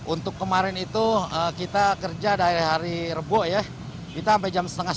untuk kemarin itu kita kerja dari hari rebo ya kita sampai jam setengah sepuluh